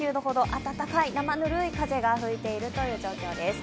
暖かい、生ぬるい風が吹いている状況です。